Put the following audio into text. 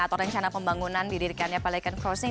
atau rencana pembangunan didirikannya pelikan crossing